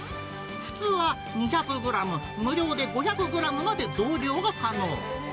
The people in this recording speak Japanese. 普通は２００グラム、無料で５００グラムまで増量が可能。